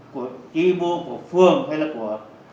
của ý mô của phường hay là của